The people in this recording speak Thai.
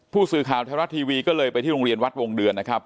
ผู้สื่อข่าวไทยรัฐทีวีก็เลยไปที่โรงเรียนวัดวงเดือนนะครับ